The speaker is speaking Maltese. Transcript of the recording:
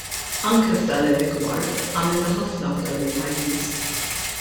Anke f'dan ir-rigward għamilna ħafna f'dan il-pajjiż.